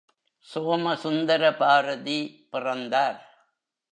சோமசுந்தர பாரதி பிறந்தார்.